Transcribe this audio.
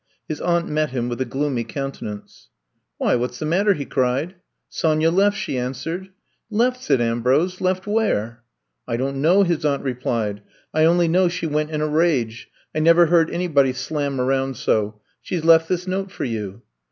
His aunt met him with a gloomy countenance. Why, what 's the matter!" he cried. Sonya left !'^ she answered. Left, '' said Ambrose. Left where ?'^ I don't know,'' his aunt replied. I only know she went iq a rage. I never heard anybody slam around so. She left this note for you.